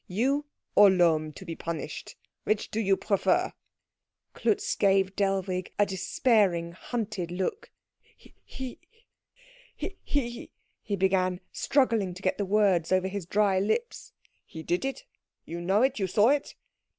You or Lohm to be punished which do you prefer?" Klutz gave Dellwig a despairing, hunted look. "He he " he began, struggling to get the words over his dry lips. "He did it? You know it? You saw it?"